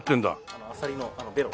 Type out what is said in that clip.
あのアサリのベロ。